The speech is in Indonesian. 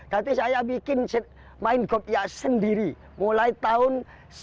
jadi saya bikin main kopiah sendiri mulai tahun seribu sembilan ratus sembilan puluh tujuh